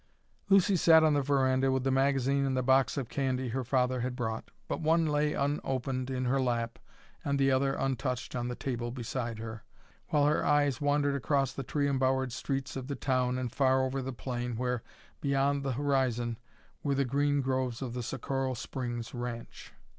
Lucy sat on the veranda with the magazine and the box of candy her father had brought; but one lay unopened in her lap and the other untouched on the table beside her, while her eyes wandered across the tree embowered streets of the town and far over the plain, where, beyond the horizon, were the green groves of the Socorro Springs ranch.